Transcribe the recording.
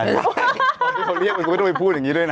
คนที่เขาเรียกมันก็ไม่ต้องไปพูดอย่างนี้ด้วยนะ